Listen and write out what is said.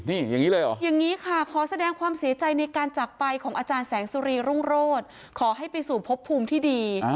นี่อย่างนี้เลยเหรออย่างนี้ค่ะขอแสดงความเสียใจในการจักรไปของอาจารย์แสงสุรีรุ่งโรธขอให้ไปสู่พบภูมิที่ดี